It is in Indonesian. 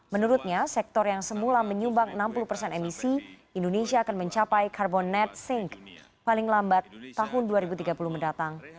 menurutnya sektor yang semula menyumbang enam puluh persen emisi indonesia akan mencapai carbon net sink paling lambat tahun dua ribu tiga puluh mendatang